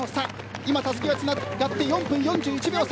今たすきがつながって４分４１秒差。